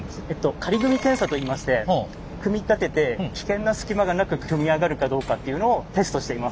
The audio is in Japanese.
仮組み検査といいまして組み立てて危険な隙間がなく組み上がるかどうかっていうのをテストしています。